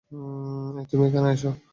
এই, তুমি এখানে এসো।